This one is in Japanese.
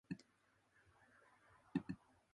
宮城県大衡村